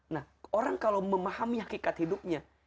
nah orang kalau memahami hakikat hidupnya